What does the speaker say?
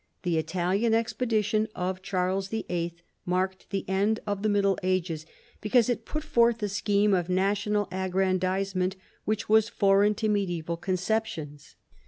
The Italian expedition of Charles YIII. marked the end of the Middle Ages, because it put forth a scheme of national aggrandisement which was foreign to medisBval conceptions.